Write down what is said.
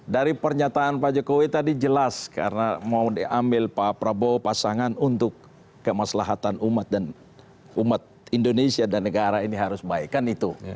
dari pernyataan pak jokowi tadi jelas karena mau diambil pak prabowo pasangan untuk kemaslahatan umat dan umat indonesia dan negara ini harus baik kan itu